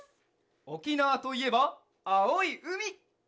おきなわといえばあおいうみ！